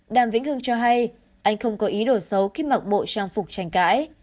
đàm vĩnh hương cho hay anh không có ý đổi xấu khi mặc bộ trang phục tranh cãi